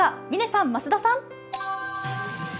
嶺さん、増田さん。